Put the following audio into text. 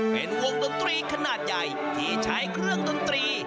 เป็นวงดนตรีขนาดใหญ่ที่ใช้เครื่องดนตรี